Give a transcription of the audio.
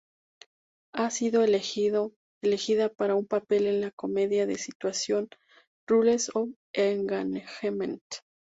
Ha sido elegida para un papel en la comedia de situación "Rules of Engagement".